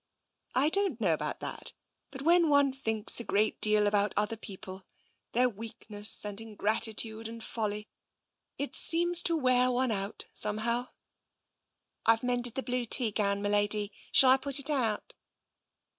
" I don't know about that. But when one thinks a great deal about other people — their weakness and 194 TENSION ingratitude and folly — it seems to wear one out, somehow." " Fve mended the blue tea gown, m'lady. Shall I put it out?'